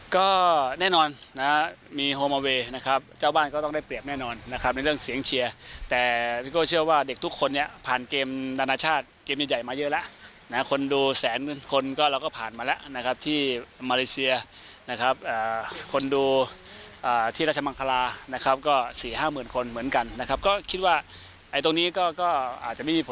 ก็แน่นอนนะมีโฮมาเวย์นะครับเจ้าบ้านก็ต้องได้เปรียบแน่นอนนะครับในเรื่องเสียงเชียร์แต่พี่โก้เชื่อว่าเด็กทุกคนเนี่ยผ่านเกมนานาชาติเกมใหญ่มาเยอะแล้วนะคนดูแสนหมื่นคนก็เราก็ผ่านมาแล้วนะครับที่มาเลเซียนะครับคนดูที่ราชมังคลานะครับก็สี่ห้าหมื่นคนเหมือนกันนะครับก็คิดว่าไอ้ตรงนี้ก็ก็อาจจะไม่มี